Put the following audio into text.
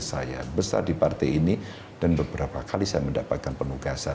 saya besar di partai ini dan beberapa kali saya mendapatkan penugasan